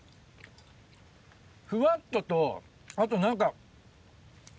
フワっととあと何か。